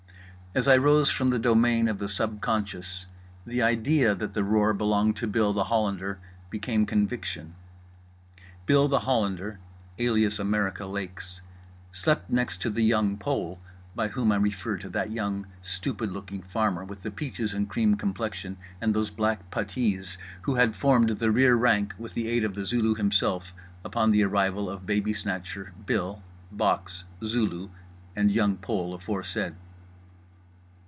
As I rose from the domain of the subconscious, the idea that the roar belonged to Bill The Hollander became conviction. Bill The Hollander, alias America Lakes, slept next to The Young Pole (by whom I refer to that young stupid looking farmer with that peaches and cream complexion and those black puttees who had formed the rear rank, with the aid of The Zulu Himself, upon the arrival of Babysnatcher, Bill, Box, Zulu, and Young Pole aforesaid).